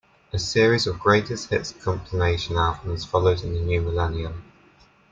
A series of greatest-hits compilation albums followed in the new millennium.